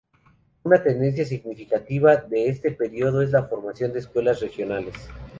Una tendencia significativa de este período es la formación de escuelas regionales.